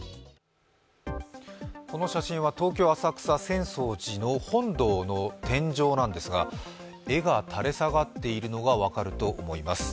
この写真は東京・浅草浅草寺の本堂の天井なんですが絵が垂れ下がっているのが分かると思います。